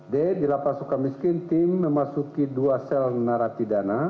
d di kelapa suka miskin tim memasuki dua sel narati dana